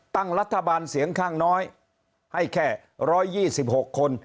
ตั้งรัฐบาลเสียงข้างน้อยให้แค่ร้อยยี่สิบหกคน